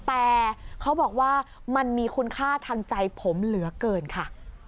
แต่เขาบอกว่ามันมีคุณค่าทางใจผมเหลือเกินค่ะ